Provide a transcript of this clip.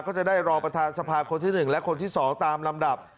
ก็จะได้รองประธานสภาคนที่๑และคนที่๒ตามลำดับ